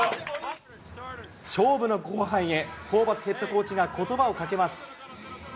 勝負の後半へ、ホーバスヘッドコーチがことばをかけます。